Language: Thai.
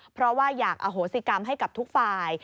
เพราะว่าอยากอโหสิกรรมให้กับทุกฝ่าย